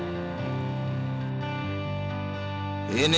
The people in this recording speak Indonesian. nengeng tambah sakit lagi